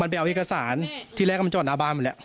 ไปเอาเอกสารที่แรกมันจอดหน้าบ้านหมดแล้ว